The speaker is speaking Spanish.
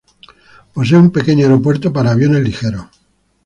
Posee un pequeño aeropuerto para aviones ligeros.